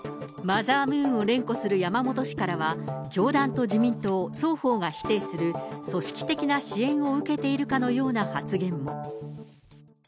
マザームーンを連呼する山本氏からは、教団と自民党双方が否定する、組織的な支援を受けているかのような発言も。